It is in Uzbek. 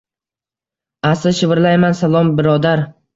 Asta shivirlayman: Salom, birodar!